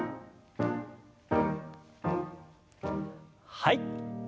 はい。